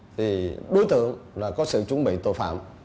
thì đối tượng là có sự chuẩn bị tội phạm